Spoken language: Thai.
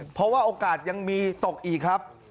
เพราะว่าโอกาสยังมีตกอีกครับ